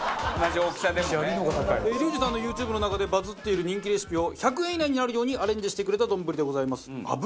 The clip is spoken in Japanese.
リュウジさんのユーチューブの中でバズっている人気レシピを１００円以内になるようにアレンジしてくれた丼でございます。